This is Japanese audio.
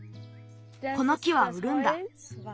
この木はうるんだ。